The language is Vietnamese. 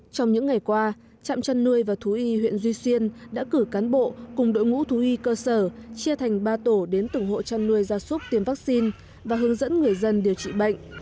trong những ngày qua trạm chăn nuôi và thú y huyện duy xuyên đã cử cán bộ cùng đội ngũ thú y cơ sở chia thành ba tổ đến từng hộ chăn nuôi gia súc tiêm vaccine và hướng dẫn người dân điều trị bệnh